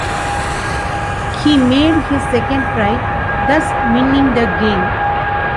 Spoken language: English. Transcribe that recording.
He made his second try, thus winning the game.